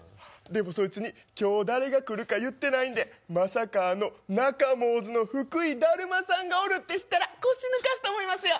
でもそいつに、今日、誰が来るか言ってないんで、まさか、福井さんがいるって言ったら腰抜かすと思いますよ。